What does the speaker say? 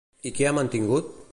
I què ha mantingut?